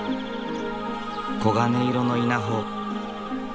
黄金色の稲穂。